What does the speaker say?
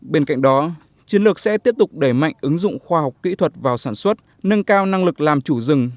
bên cạnh đó chiến lược sẽ tiếp tục đẩy mạnh ứng dụng khoa học kỹ thuật vào sản xuất nâng cao năng lực làm chủ rừng